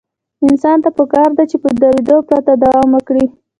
انسان ته پکار ده چې په درېدو پرته دوام ورکړي.